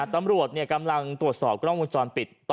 ตำรวจกำลังตรวจสอบกล้องวงจรปิด